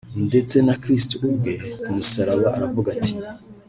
ndetse na kristo ubwe ku musaraba aravuga ati